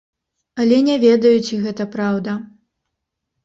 Але не ведаю, ці гэта праўда.